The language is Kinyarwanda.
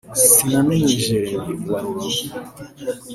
Sinamenye Jérémie wa Rubavu